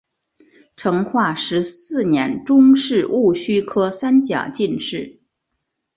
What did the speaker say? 成化十四年中式戊戌科三甲进士。